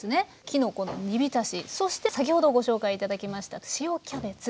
きのこの煮びたしそして先ほどご紹介頂きました塩キャベツ。